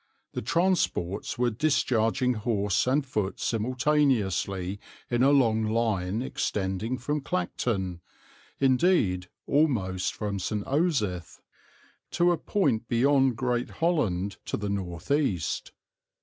The transports were discharging horse and foot simultaneously in a long line extending from Clacton, indeed almost from St. Osyth, to a point beyond Great Holland to the north east.